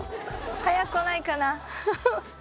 早く来ないかな。